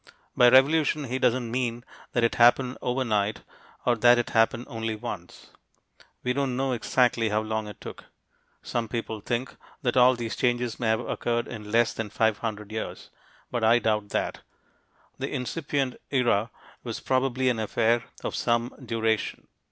By revolution, he doesn't mean that it happened over night or that it happened only once. We don't know exactly how long it took. Some people think that all these changes may have occurred in less than 500 years, but I doubt that. The incipient era was probably an affair of some duration.